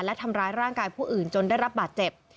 และทำร้ายร่างกายผู้อื่นจนได้รับบาดเจ็บ